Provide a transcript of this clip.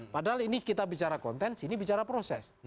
padahal ini kita bicara konten sini bicara proses